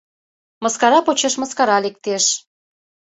Мыскара почеш мыскара лектеш.